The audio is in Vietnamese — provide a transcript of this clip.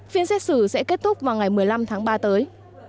phiên xét xử sẽ kết thúc vào ngày một mươi năm tháng ba tới